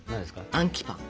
「アンキパン」。